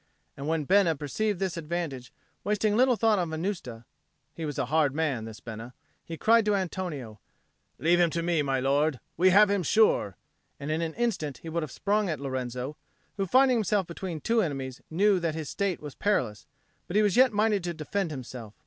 And when Bena perceived this advantage, wasting little thought on Venusta (he was a hard man, this Bena), he cried to Antonio, "Leave him to me, my lord. We have him sure!" and in an instant he would have sprung at Lorenzo, who, finding himself between two enemies, knew that his state was perilous, but was yet minded to defend himself.